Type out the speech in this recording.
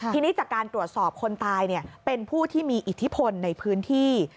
ทีนี้จากการตรวจสอบคนตายเป็นผู้ที่มีอิทธิพลในพื้นที่